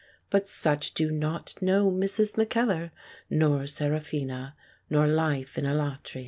But such do not know Mrs. Mackellar, nor Seraphina, nor life in Alatri.